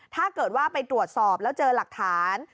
ถ้าเกิดว่าไปตรวจสอบแล้วเจอหลักฐาน